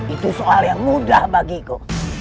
itu soal yang mudah bagiku